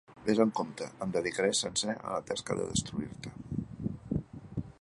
Ves amb compte: em dedicaré sencer a la tasca de destruir-te.